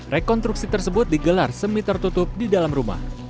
rekonstruksi tersebut digelar semi tertutup di dalam rumah